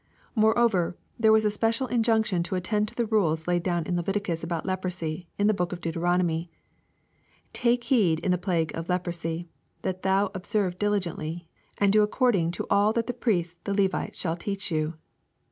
More over there was a special injunction to attend to the rules laid down in Leviticus about leprosy in the book of Deuteronomy :" Take heed in the plague of leprosy, that thou observe diligently, and do according to all that the priests the Levites shall teach you."